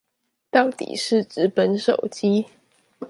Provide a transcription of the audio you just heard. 倒底是紙本手機